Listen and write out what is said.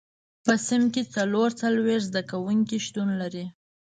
په صنف کې څلور څلوېښت زده کوونکي شتون لري.